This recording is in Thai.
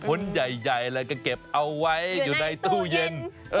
ใหญ่อะไรก็เก็บเอาไว้อยู่ในตู้เย็น